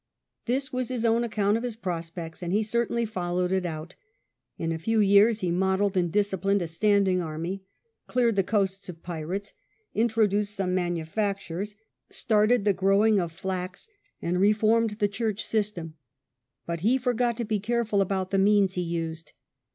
This was his own account of his prospects, and he certainly followed it out. In a few years he modelled and disciplined a standing army, cleared the coasts of pirates, introduced some manufactures, started the growing of flax, and reformed the church system. But he forgot to be careful about the means he used.